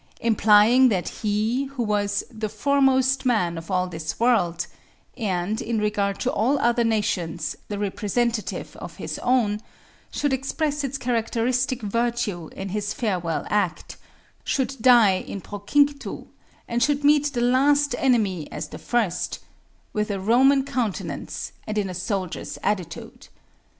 Implying that he, who was "the foremost man of all this world," and, in regard to all other nations, the representative of his own, should express its characteristic virtue in his farewell act should die in procinctu and should meet the last enemy as the first, with a Roman countenance and in a soldier's attitude.